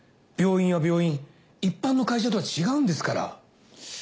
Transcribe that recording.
病院は病院一般の会社とは違うんですから。